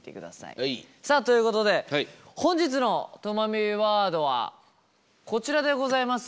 さあということで本日のとまビワードはこちらでございます。